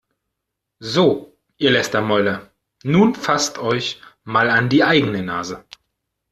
So, ihr Lästermäuler, nun fasst euch mal an die eigene Nase!